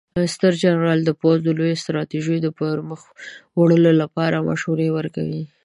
ستر جنرال د پوځ د لویو ستراتیژیو د پرمخ وړلو لپاره مشورې ورکوي.